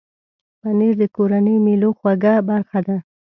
پنېر د کورنۍ مېلو خوږه برخه ده.